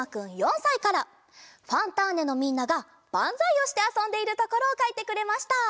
「ファンターネ！」のみんながバンザイをしてあそんでいるところをかいてくれました。